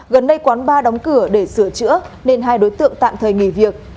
gần đây quán ba đóng cửa để sửa chữa nên hai đối tượng tạm thời nghỉ việc